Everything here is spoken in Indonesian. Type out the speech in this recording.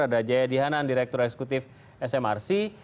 ada jaya dihanan direktur eksekutif smrc